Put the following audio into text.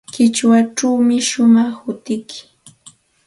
Qichwachawmi shumaq hutiyki.